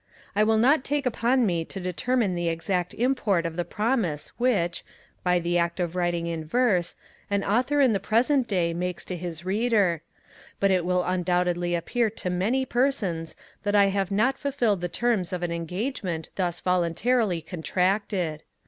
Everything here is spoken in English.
I will not take upon me to determine the exact import of the promise which, by the act of writing in verse, an Author in the present day makes to his reader: but it will undoubtedly appear to many persons that I have not fulfilled the terms of an engagement thus voluntarily contracted.